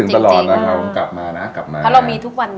ใช่ค่ะ